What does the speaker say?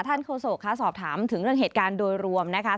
โฆษกค่ะสอบถามถึงเรื่องเหตุการณ์โดยรวมนะคะ